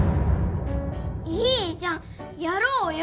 いいじゃんやろうよ